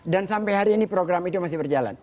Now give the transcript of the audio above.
dan sampai hari ini program itu masih berjalan